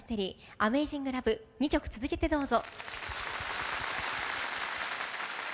「ＡｍａｚｉｎｇＬｏｖｅ」２曲続けてどうぞ。